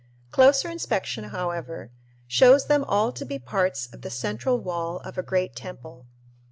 Closer inspection, however, shows them all to be parts of the central wall of a great temple.